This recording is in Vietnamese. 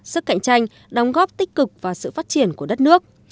sức cạnh tranh đóng góp tích cực và sự phát triển của đất nước